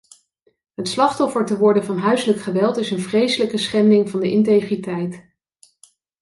Het slachtoffer te worden van huiselijk geweld is een vreselijke schending van de integriteit.